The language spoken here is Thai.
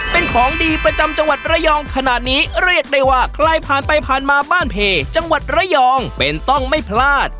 เป็นของดีประจำจังหวัดระยองขนาดนี้เรียกได้ว่าใครผ่านไปผ่านมาบ้านเพจังหวัดระยองเป็นต้องไม่พลาด